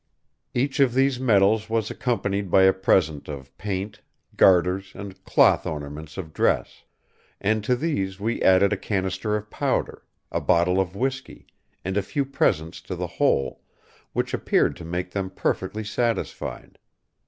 Each of these medals was accompanied by a present of paint, garters, and cloth ornaments of dress; and to these we added a canister of powder, a bottle of whiskey, and a few presents to the whole, which appeared to make them perfectly satisfied.